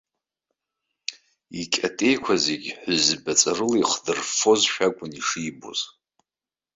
Икьатеиқәа зегьы ҳәызба ҵарыла ихдырффошәа акәын ишибоз.